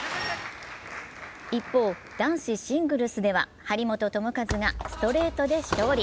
一方、男子シングルスでは張本智和がストレートで勝利。